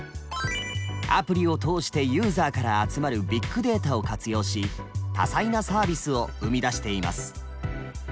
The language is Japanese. アプリを通してユーザーから集まるビッグデータを活用し多彩なサービスを生み出しています。